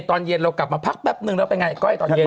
ตอนเย็นเรากลับมาพักแป๊บนึงแล้วเป็นไงก้อยตอนเย็น